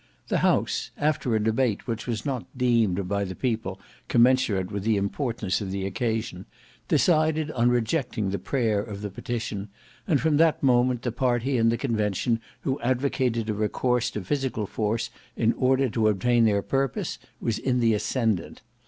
The House after a debate which was not deemed by the people commensurate with the importance of the occasion, decided on rejecting the prayer of the Petition, and from that moment the party in the Convention who advocated a recourse to physical force in order to obtain their purpose, was in the ascendant.